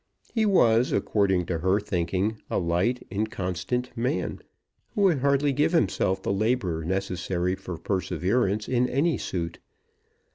He was, according to her thinking, a light, inconstant man, who would hardly give himself the labour necessary for perseverance in any suit.